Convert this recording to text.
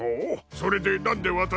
それでなんでわたしに？